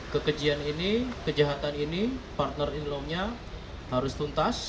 kekejian ini kejahatan ini partner in law nya harus tuntas